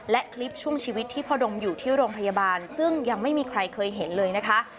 และคลิปช่วงชีวิตที่พ่อดมอยู่ที่โรงพยาบาลซึ่งยังไม่มีใครเคยเห็นเลยนะคะ